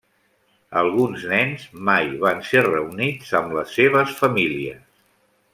Alguns nens mai van ser reunits amb les seves famílies.